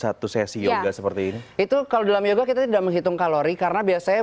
satu sesi yoga seperti ini itu kalau dalam yoga kita tidak menghitung kalori karena biasanya